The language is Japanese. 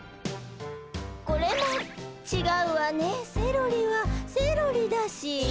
「これもちがうわねセロリはセロリだし」